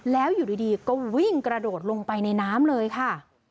แล้วอยู่ดีก็วิ่งกระโดดลงไปในน้ำเลยค่ะ